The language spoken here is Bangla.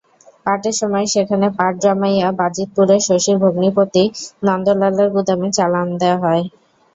পাটের সময় সেখানে পাট জমাইয়া বাজিতপুরে শশীর ভগ্নীপতি নন্দলালের গুদামে চালান দেওয়া হয়।